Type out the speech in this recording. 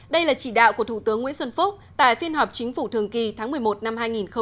đây là chỉ đạo của thủ tướng nguyễn xuân phúc tại phiên họp chính phủ thường kỳ tháng một mươi một năm hai nghìn một mươi chín